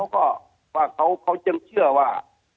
คำนองเขาก็เขาเชื่อว่า